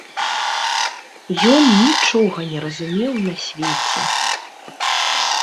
Ён нічога не разумеў на свеце.